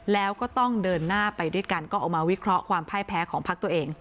แล้วก็ต้องเดินหน้าไปด้วยกันก็เอามาวิเคราะห์ความพ่ายแพ้ของพักตัวเอง